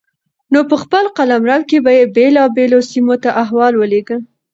نو په خپل قلمرو کې به يې بېلابېلو سيمو ته احوال ولېږه